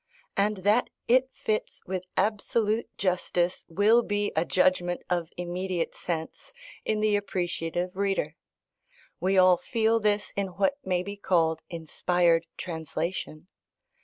And that it fits with absolute justice will be a judgment of immediate sense in the appreciative reader. We all feel this in what may be called inspired translation.